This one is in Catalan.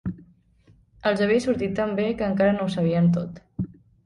Els havia sortit tant bé que encara no ho sabien tot.